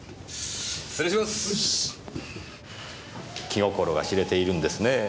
気心が知れているんですねぇ